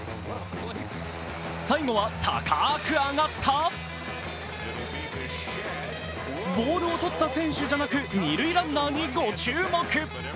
最後は高く上がったボールを取った選手じゃなく二塁ランナーにご注目。